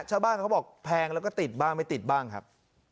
เขาบอกแพงแล้วก็ติดบ้างไม่ติดบ้างครับ